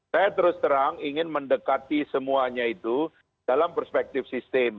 saya terus terang ingin mendekati semuanya itu dalam perspektif sistem